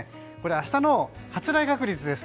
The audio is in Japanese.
明日の発雷確率です。